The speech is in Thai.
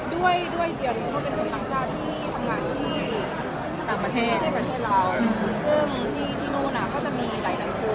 ด้วยเจียมเป็นคนต่างชาติที่ทำงานที่จากประเทศไม่ใช่ประเทศราว